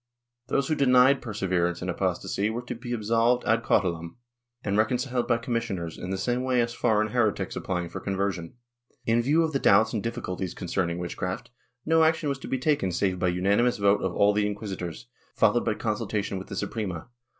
Those who denied perseverance in apostasy were to be absolved ad cautelam and reconciled by commissioners, in the same way as foreign heretics applying for conversion. In view of the doubts and difficulties concerning witchcraft, no action was to be taken save by unanimous vote of all the inquisitors, followed by con sultation with the Suprema.